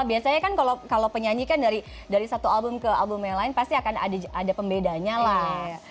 biasanya kan kalau penyanyi kan dari satu album ke album yang lain pasti akan ada pembedanya lah